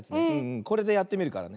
これでやってみるからね。